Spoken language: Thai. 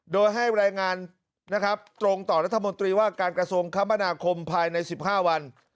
โดยให้รายงานนะครับตรงต่อรัฐมนตรีว่าการกระทรวงคมนาคมภายใน๑๕วัน